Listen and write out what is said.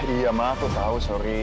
iya mama aku tau sorry